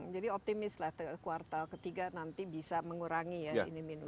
jadi optimis lah kuartal ketiga nanti bisa mengurangi ya ini minusnya